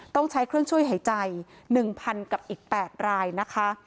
ต้องใช้เครื่องช่วยหายใจ๑๐๐๐กับอีก๘รายนะคะ